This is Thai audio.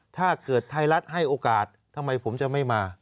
ไทยรัฐให้โอกาสทำไมผมจะไม่มา